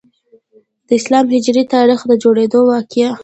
د اسلامي هجري تاریخ د جوړیدو واقعه.